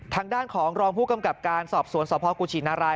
ทางด้านของรองผู้กำกับการสอบสวนสพกุชินาราย